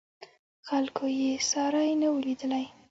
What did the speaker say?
خلکو یې ساری نه و لیدلی.